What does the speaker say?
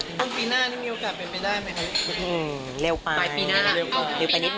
ปีหน้านี่มีโอกาสเป็นไปได้ไหมคะ